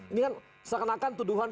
ini kan seakan akan tuduhan